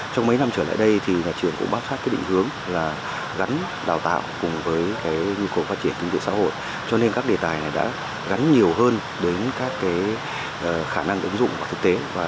trong mấy năm trở lại đây nhà trưởng cũng bác sát định hướng gắn đào tạo cùng với nhu cầu phát triển kinh tế xã hội cho nên các đề tài này đã gắn nhiều hơn đến các khả năng ứng dụng thực tế